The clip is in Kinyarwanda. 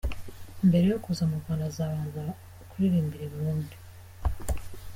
Mbere yo kuza mu Rwanda, azabanza kuririmbira i Burundi.